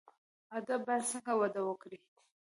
ادب باید څنګه وده وکړي؟